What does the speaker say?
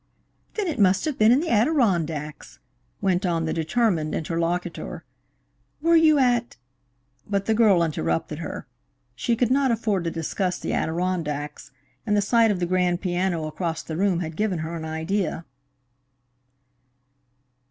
"Then it must have been in the Adirondacks," went on the determined interlocutor. "Were you at " But the girl interrupted her. She could not afford to discuss the Adirondacks, and the sight of the grand piano across the room had given her an idea.